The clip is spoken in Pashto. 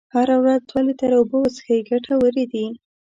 هره ورځ دوه لیتره اوبه وڅښئ ګټورې دي.